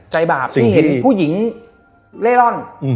บาปที่เห็นผู้หญิงเล่ร่อน